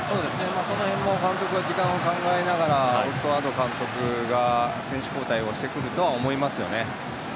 その辺も監督が時間を考えながらオットー・アド監督が選手交代をしてくるかとは思いますよね。